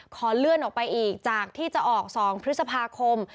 ขอเลื่อนออกไปอีกจากที่จะออก๒พฤษภาคม